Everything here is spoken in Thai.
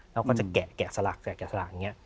แล้วก็จะแกะแกะสลักแกะสลักแกะสลักอย่างนี้